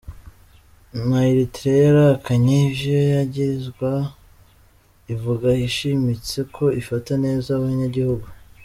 Na Eritrea yarahakanye ivyo yagirizwa, ivuga ishimitse ko ifata neza abanyagihugu.